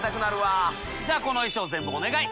じゃこの衣装全部お願い！